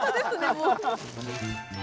もう。